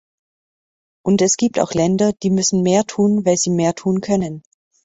Und es gibt auch Länder, die müssen mehr tun, weil sie mehr tun können.